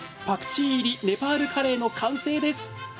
パクチー入りネパールカレーの完成です！